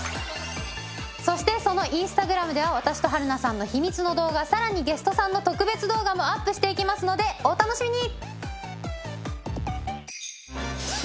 そしてそのインスタグラムでは私と春菜さんの秘密の動画さらにゲストさんの特別動画もアップしていきますのでお楽しみに！